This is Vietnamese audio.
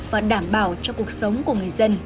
và đảm bảo cho cuộc sống của người dân